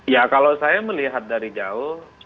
ya kalau saya melihat dari jauh